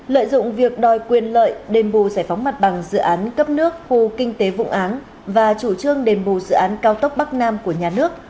lợi dụng việc đòi quyền lợi đền bù giải phóng mặt bằng dự án cấp nước khu kinh tế vụ án và chủ trương đền bù dự án cao tốc bắc nam của nhà nước